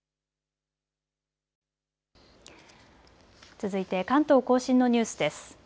続いて関東甲信のニュースです。